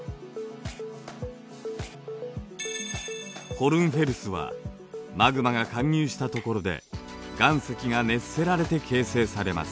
ホルンフェルスはマグマが貫入したところで岩石が熱せられて形成されます。